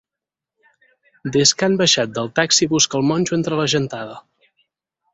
Des que han baixat del taxi busca el monjo entre la gentada.